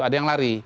ada yang lari